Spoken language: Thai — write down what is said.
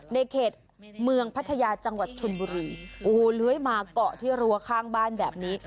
ในเขตเมืองพัทยาจังหวัดชนบุรีโอ้โหเลื้อยมาเกาะที่รั้วข้างบ้านแบบนี้